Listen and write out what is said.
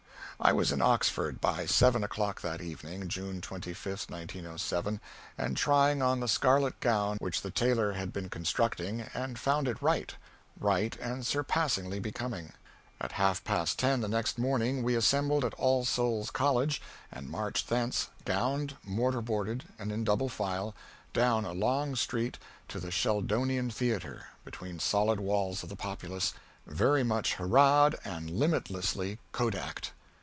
I was in Oxford by seven o'clock that evening (June 25, 1907), and trying on the scarlet gown which the tailor had been constructing, and found it right right and surpassingly becoming. At half past ten the next morning we assembled at All Souls College and marched thence, gowned, mortar boarded and in double file, down a long street to the Sheldonian Theatre, between solid walls of the populace, very much hurrah'd and limitlessly kodak'd.